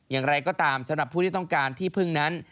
อย่างไรก็ตามสำหรับผู้ที่ต้องการที่พึ่งนั้น